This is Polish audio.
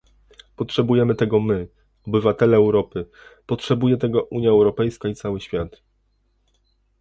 Potrzebujemy tego my, obywatele Europy, potrzebuje tego Unia Europejska i cały świat